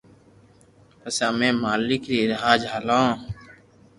پسي امي مالڪ ري راہ جالو